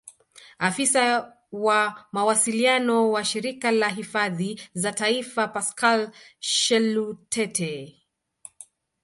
Afisa wa mawasiliano wa Shirika la Hifadhi za Taifa Pascal Shelutete